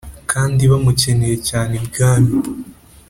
kandi bamukeneye cyane ibwami.